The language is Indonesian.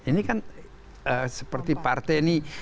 ini kan seperti partai ini